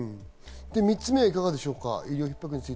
３つ目はいかがでしょうか？